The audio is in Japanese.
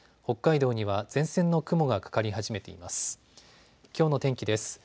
北海道には前線の雲がかかり始めています。